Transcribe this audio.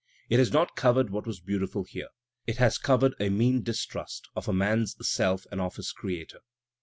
It has not covered what was beautiful here; it has cov ered a mean distrust of a man*s self and of his Creator.